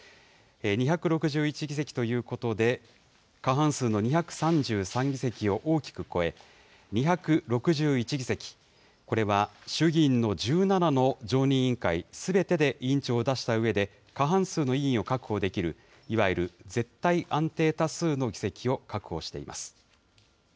２６１議席ということで、過半数の２３３議席を大きく超え、２６１議席、これは衆議院の１７の常任委員会すべてで委員長を出したうえで、過半数の委員を確保できる、いわゆる絶対安定多数の議席を確保しています。